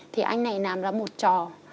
thì anh này làm ra một trò